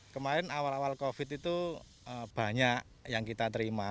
kemarin awal awal covid itu banyak yang kita terima